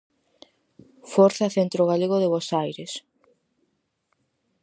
Forza Centro Galego de Bos Aires!